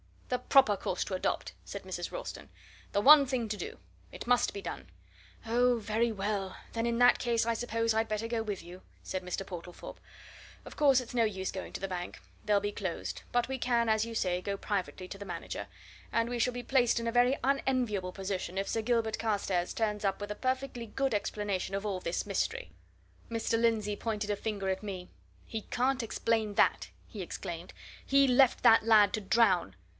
"The proper course to adopt!" said Mrs. Ralston. "The one thing to do. It must be done!" "Oh, very well then in that case I suppose I'd better go with you," said Mr. Portlethorpe. "Of course, it's no use going to the bank they'll be closed; but we can, as you say, go privately to the manager. And we shall be placed in a very unenviable position if Sir Gilbert Carstairs turns up with a perfectly good explanation of all this mystery." Mr. Lindsey pointed a finger at me. "He can't explain that!" he exclaimed. "He left that lad to drown!